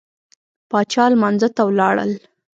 پاچا لمانځه ته ولاړل.